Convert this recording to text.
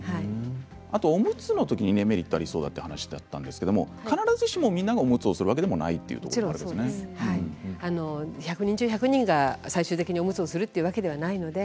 おむつのときにメリットがありそうだという話がありましたが必ずしもみんながおむつをするわけでは１００人中１００人が最終的に、おむつをするわけではありません。